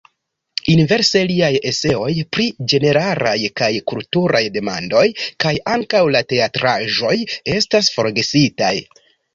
Inverse liaj eseoj pri ĝeneralaj kaj kulturaj demandoj kaj ankaŭ la teatraĵoj estas forgesitaj.